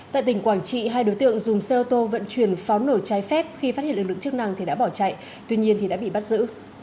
tại tỉnh quảng trị hai đối tượng dùng xe ô tô vận chuyển pháo nổ trái phép khi phát hiện lực lượng chức năng thì đã bỏ chạy tuy nhiên thì đã bị bắt giữ